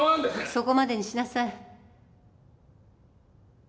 そこまでにしなさい。